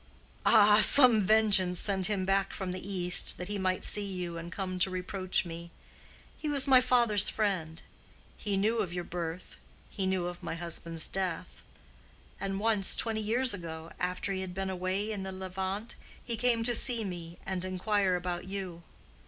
"Ah! some vengeance sent him back from the East, that he might see you and come to reproach me. He was my father's friend. He knew of your birth: he knew of my husband's death, and once, twenty years ago, after he had been away in the Levant, he came to see me and inquire about you.